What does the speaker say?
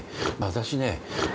私ね